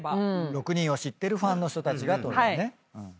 ６人を知ってるファンの人たちがってことだね。